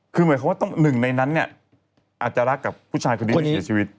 คือหมายความว่าหนึ่งในนั้นเนี่ยอาจจะรักกับผู้ชายคนนี้ที่เสียชีวิต